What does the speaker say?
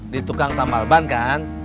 di tukang tambal ban kan